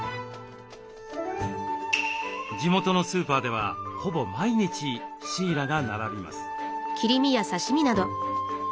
地元のスーパーではほぼ毎日シイラが並びます。